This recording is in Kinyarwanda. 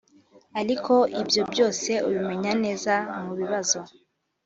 aliko ibyo byose ubimenya neza mu bibazo